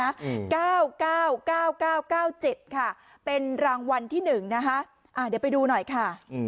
อืมเก้าเก้าเก้าเก้าเจ็ดค่ะเป็นรางวัลที่หนึ่งนะคะอ่าเดี๋ยวไปดูหน่อยค่ะอืม